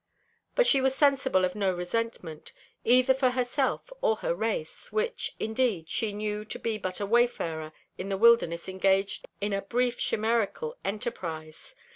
But she was sensible of no resentment, either for herself or her race, which, indeed, she knew to be but a wayfarer in the wilderness engaged in a brief chimerical enterprise.